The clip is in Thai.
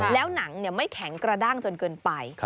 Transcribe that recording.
แล้วหนังไม่แข็งกระด้างจนเกินไป